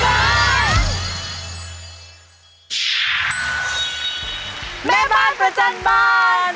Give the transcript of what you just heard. แหม้บ้านประจำบาน